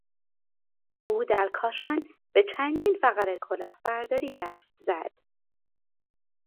او در کاشان به چندین فقره کلاهبرداری دست زد.